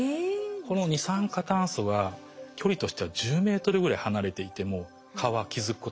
この二酸化炭素は距離としては１０ｍぐらい離れていても蚊は気付くことができます。